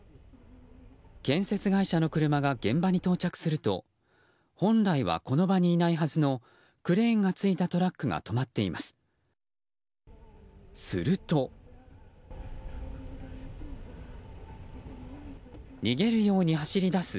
建設会社の車が現場に到着すると本来はこの場にいないはずのクレーンが付いたトラックが止まっています。